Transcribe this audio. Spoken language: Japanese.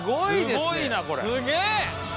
すげえ！